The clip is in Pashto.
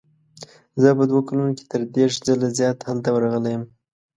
زه په دوو کلونو کې تر دېرش ځله زیات هلته ورغلی یم.